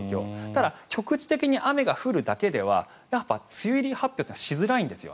ただ、局地的に雨が降るだけでは梅雨入り発表しにくいんです。